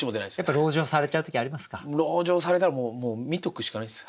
籠城されたらもう見とくしかないです。